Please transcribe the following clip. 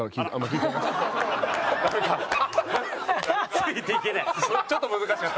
ついていけない。